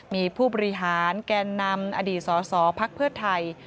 มีผู้บริหารแกนนำอดีตสสพักเพื่อไทย